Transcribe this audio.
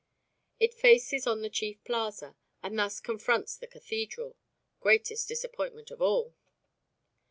It faces on the chief plaza, and thus confronts the cathedral greatest disappointment of all.